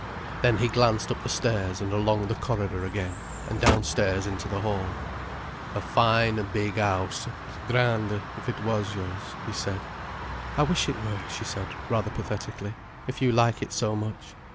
Then he glanced up the stairs and along the corridor again, and downstairs into the hall. "A fine big house. Grand if it was yours," he said. "I wish it were," she said rather pathetically, "if you like it so much."